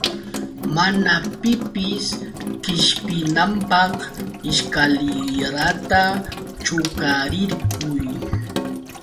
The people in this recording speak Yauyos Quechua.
Mana pipis qishpinanpaq ishkalirata chuqarirquy.